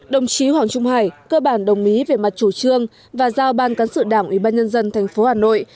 đồng chí hoàng trung hải cơ bản đồng ý về mặt chủ trương và giao ban cán sự đảng ubnd thành phố hà nội